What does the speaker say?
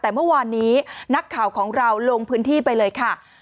แต่เมื่อวานนี้นักข่าวของเราลงพื้นที่ไปเลยค่ะ